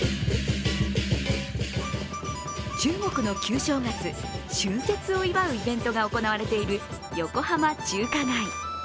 中国の旧正月、春節を祝うイベントが行われている横浜中華街。